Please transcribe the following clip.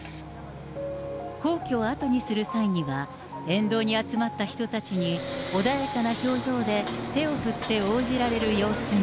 皇居を後にする際には、沿道に集まった人たちに穏やかな表情で、手を振って応じられる様子も。